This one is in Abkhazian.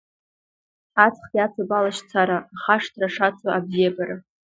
Аҵх иацуп алашьцара, ахашҭра шацу абзиабара.